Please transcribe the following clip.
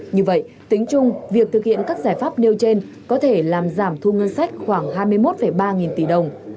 như vậy tính chung việc thực hiện các giải pháp nêu trên có thể làm giảm thu ngân sách khoảng hai mươi một ba nghìn tỷ đồng